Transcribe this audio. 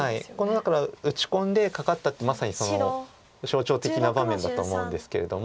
だから打ち込んでカカったってまさに象徴的な場面だと思うんですけれども。